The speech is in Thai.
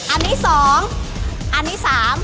อันนี้๒อันนี้๓